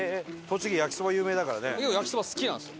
焼きそば好きなんですよ。